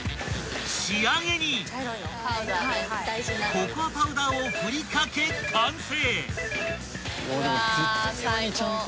［ココアパウダーを振り掛け完成］